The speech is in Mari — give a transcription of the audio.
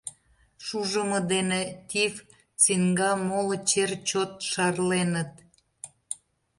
Шужымо дене тиф, цинга, моло чер чот шарленыт.